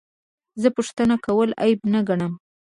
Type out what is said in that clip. زه پوښتنه کول عیب نه ګڼم.